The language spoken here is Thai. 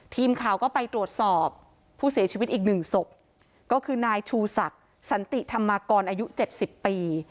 ทีมข่าวก็ไปตรวจสอบผู้เสียชีวิตอีกหนึ่งศพก็คือนายชูศักดิ์สันติธรรมากรอายุเจ็ดสิบปี